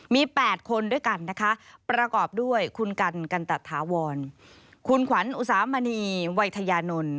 มี๘คนด้วยกันนะคะประกอบด้วยคุณกันกันตะถาวรคุณขวัญอุสามณีวัยทยานนท์